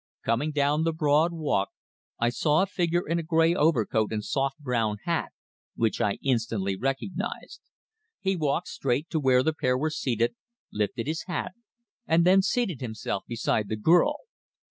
Coming down the Broad Walk I saw a figure in a grey overcoat and soft brown hat which I instantly recognized. He walked straight to where the pair were seated, lifted his hat, and then seated himself beside the girl.